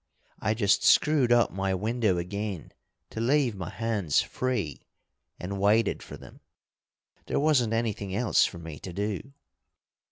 I just screwed up my window again to leave my hands free, and waited for them. There wasn't anything else for me to do.